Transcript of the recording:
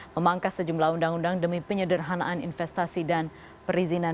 memangkas sejumlah undang undang demi penyederhanaan investasi dan perizinan